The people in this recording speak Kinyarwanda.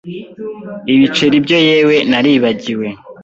ibiceri byo yewe naribagiwe